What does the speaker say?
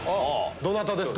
どなたですか？